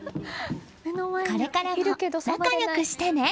これからも仲良くしてね。